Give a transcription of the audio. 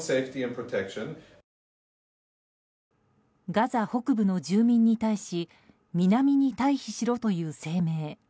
ガザ北部の住民に対し南に退避しろという声明。